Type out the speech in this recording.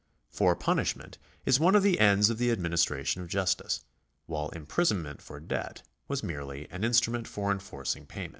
For punishment is one of the ends of the administration of justice, while imprisonment for debt was merely an instrument for enforcing payment.